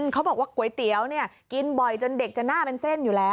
เขาบอกว่าก๋วยเตี๋ยวกินบ่อยจนเด็กจะหน้าเป็นเส้นอยู่แล้ว